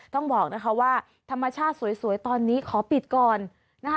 ต้องบอกนะคะว่าธรรมชาติสวยตอนนี้ขอปิดก่อนนะคะ